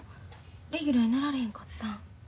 レギュラーになられへんかったん？